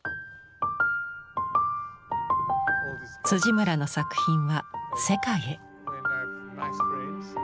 村の作品は世界へ。